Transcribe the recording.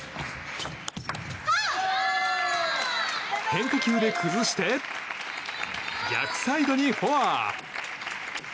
変化球で崩して逆サイドにフォア！